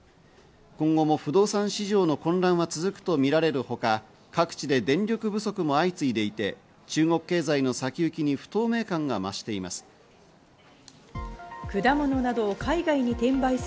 今後も不動産市場の混乱は続くとみられるほか、各地で電力不足も相次いでいて、中国経済の先行きに不透明感が増しています。